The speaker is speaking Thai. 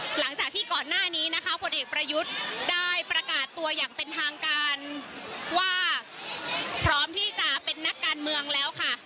หลังจากที่ก่อนหน้านี้นะคะผลเอกประยุทธ์ได้ประกาศตัวอย่างเป็นทางการว่าพร้อมที่จะเป็นนักการเมืองแล้วค่ะ